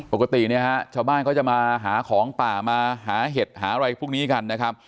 ปกติเนี่ยฮะชาวบ้านเขาจะมาหาของป่ามาหาเห็ดหาอะไรพวกนี้กันนะครับ